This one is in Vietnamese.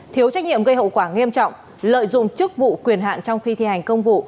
thiếu trách nhiệm gây hậu quả nghiêm trọng lợi dụng chức vụ quyền hạn trong khi thi hành công vụ